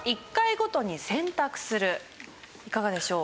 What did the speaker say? いかがでしょう？